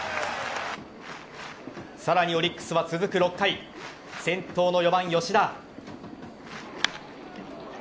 さらにオリックスは続く６回先頭の４番・吉田。